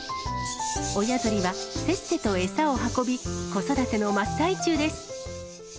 親鳥はせっせと餌を運び、子育ての真っ最中です。